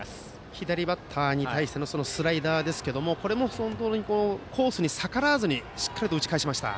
左バッターに対してのスライダーですがこれもコースに逆らわずにしっかり打ち返しました。